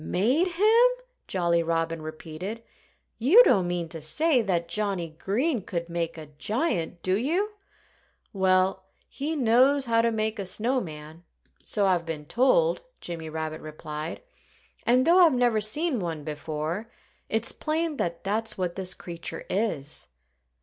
"Made him!" Jolly Robin repeated. "You don't mean to say that Johnnie Green could make a giant, do you?" "Well, he knows how to make a snow man so I've been told," Jimmy Rabbit replied. "And though I've never seen one before, it's plain that that's what this creature is."